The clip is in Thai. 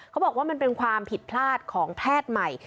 เขาบอกว่ามันเป็นความผิดพลาดของแพทย์ใหม่